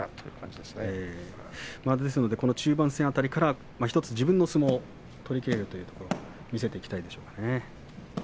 中盤戦辺りから自分の相撲を取りきれるというところを見せていきたいでしょうかね。